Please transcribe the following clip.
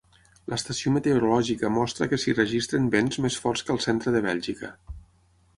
L'estació meteorològica mostra que s'hi registren vents més forts que al centre de Bèlgica.